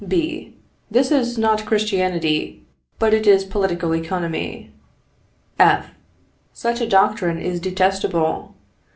B. This is not Christianity, but it is political economy. F. Such a doctrine is detestable.